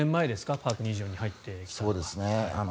パーク２４に入ってきたのは。